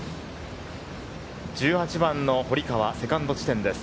１８番の堀川、セカンド地点です。